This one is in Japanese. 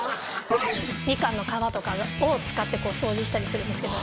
みかんの皮とかを使って掃除したりするんですけど。